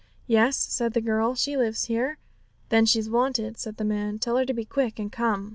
'Yes,' said the girl; 'she lives here.' 'Then she's wanted,' said the man; 'tell her to be quick and come.'